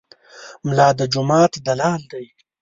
ملا د جومات دلال دی.